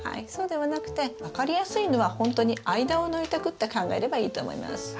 そうではなくて分かりやすいのはほんとに間を抜いてくって考えればいいと思います。